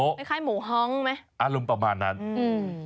คล้ายหมูฮ้องไหมอารมณ์ประมาณนั้นอืม